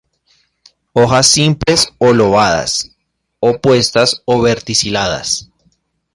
Hojas simples o lobadas, opuestas o verticiladas.